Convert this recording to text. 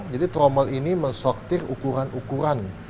jadi tromel ini meng sortir ukuran ukuran